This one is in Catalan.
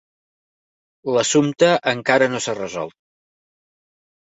L'assumpte encara no s'ha resolt.